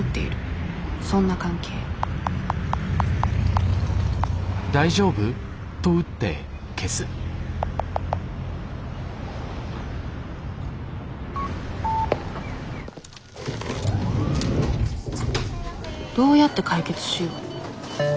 そんな関係どうやって解決しよう。